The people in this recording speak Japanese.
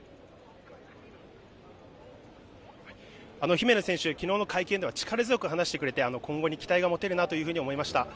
姫野選手、きのうの会見では力強く話してくれて、今後に期待が持てるなというふうに思いました。